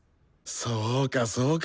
そうかそうか。